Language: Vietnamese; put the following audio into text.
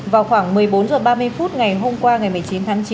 vào khoảng một mươi bốn h ba mươi phút ngày hôm qua ngày một mươi chín tháng chín